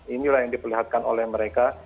inilah yang diperlihatkan oleh mereka